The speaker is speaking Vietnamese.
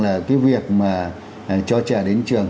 cái việc mà cho trẻ đến trường